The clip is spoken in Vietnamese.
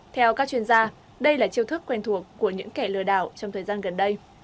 theo các chuyên gia đây là chiêu thức quen thuộc của những kẻ lừa đảo trong thời gian gần đây